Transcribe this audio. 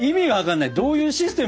どういうシステムよ？